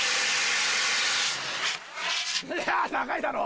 いやぁ長いだろ！